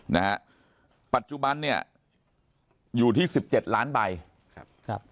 นะฮะปัจจุบันเนี่ยอยู่ที่สิบเจ็ดล้านใบครับครับ